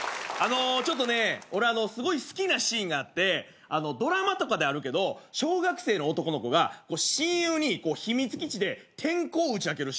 ちょっとね俺すごい好きなシーンがあってドラマとかであるけど小学生の男の子が親友に秘密基地で転校を打ち明けるシーン。